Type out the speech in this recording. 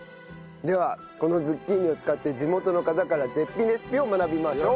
ではこのズッキーニを使って地元の方から絶品レシピを学びましょう。